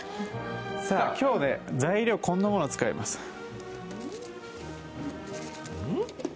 今日は、材料にこんなものを使います。